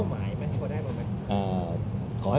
หมอบรรยาหมอบรรยา